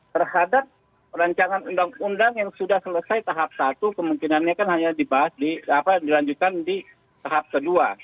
terhadap rancangan undang undang yang sudah selesai tahap satu kemungkinannya kan hanya dilanjutkan di tahap kedua